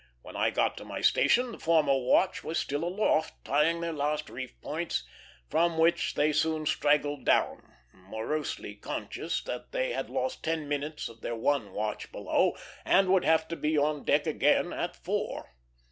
When I got to my station, the former watch was still aloft, tying their last reef points, from which they soon straggled down, morosely conscious that they had lost ten minutes of their one watch below, and would have to be on deck again at four.